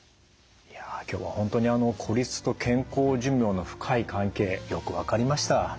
いや今日は本当に孤立と健康寿命の深い関係よく分かりました。